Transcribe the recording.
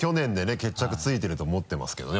決着ついてると思ってますけどね